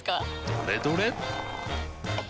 どれどれっ！